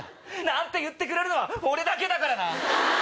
なんて言ってくれるのは俺だけだからな！